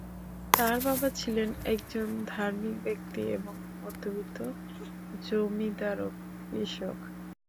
তার বাবা ছিলেন একজন ধার্মিক ব্যক্তি এবং মধ্যবিত্ত জমিদার ও কৃষক।